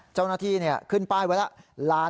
เจ้าหน้าที่เนี่ยขึ้นไปไว้ละ